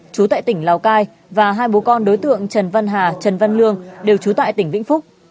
chú tại tỉnh lào cai và hai bố con đối tượng trần văn hà trần văn lương đều trú tại tỉnh vĩnh phúc